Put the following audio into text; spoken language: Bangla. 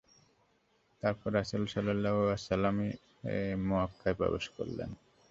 তারপর রাসূলুল্লাহ সাল্লাল্লাহু আলাইহি ওয়াসাল্লাম মক্কায় প্রবেশ করলেন।